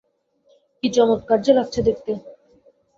কী চমৎকার যে লাগছে দেখতে।